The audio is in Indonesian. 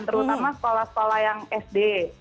terutama sekolah sekolah yang sd